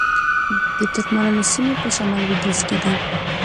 د ترکمنانو سیمې په شمال لویدیځ کې دي